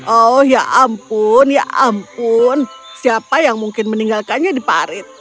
oh ya ampun ya ampun siapa yang mungkin meninggalkannya di parit